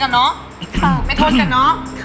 ไม่โทษกันเนาะ